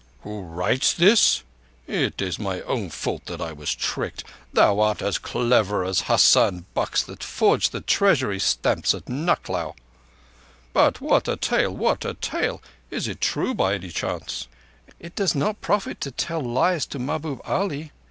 _" "'Who writes this.' It is my own fault that I was tricked. Thou art as clever as Husain Bux that forged the Treasury stamps at Nucklao. But what a tale! What a tale! Is it true by any chance?" "It does not profit to tell lies to Mahbub Ali.